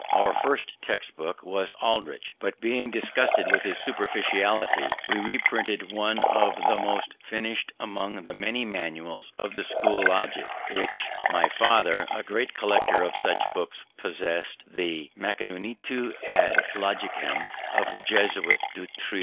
Our first text book was Aldrich, but being disgusted with its superficiality, we reprinted one of the most finished among the many manuals of the school logic, which my father, a great collector of such books, possessed, the Manuductio ad Logicam of the Jesuit Du Trieu.